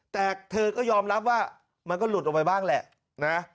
แต่เธอก็ยอมรับว่ามันก็หลุดออกไปบ้างแหละนะ